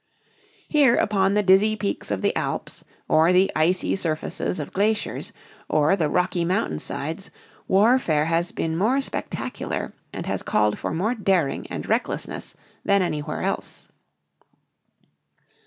Here upon the dizzy peaks of the Alps, or the icy surfaces of glaciers, or the rocky mountain sides, warfare has been more spectacular and has called for more daring and recklessness than anywhere else.